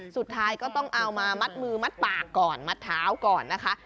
สุดท้ายก็ต้องเอามามัดมือมัดปากก่อนมัดเท้าก่อนนะคะ